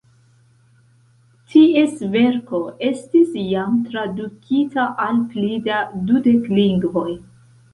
Ties verko estis jam tradukita al pli da dudek lingvoj.